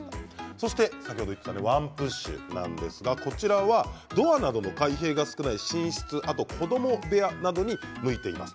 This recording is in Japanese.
そしてワンプッシュなんですがドアなどの開閉が少ない寝室子ども部屋などに向いています。